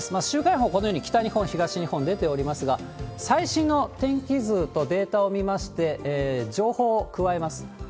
週間予報、このように北日本、東日本、出ておりますが、最新の天気図とデータを見まして、情報を加えます。